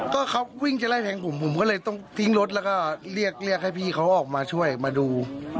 ก็เขาวิ่งจะไล่แทงผมผมก็เลยต้องทิ้งรถแล้วก็เรียกเรียกให้พี่เขาออกมาช่วยมาดู